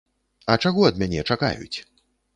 А чаго ад мяне чакаюць?